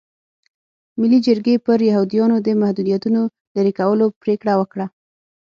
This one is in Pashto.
ملي جرګې پر یهودیانو د محدودیتونو لرې کولو پرېکړه وکړه.